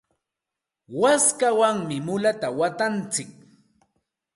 waskawanmi mulata watantsik.